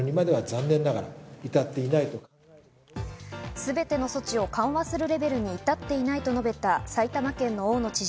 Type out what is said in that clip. すべての措置を緩和するレベルに至っていないと述べた埼玉県の大野知事。